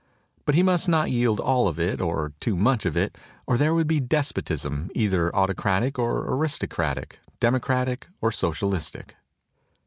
But he must not yield all of it or too much of it or there would be despotism, either auto cratic or aristocratic, democratic or socialistic.